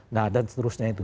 nah dan seterusnya itu